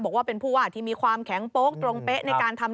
บอกว่าเป็นผู้ว่าที่มีความแข็งโป๊คตรงเปะ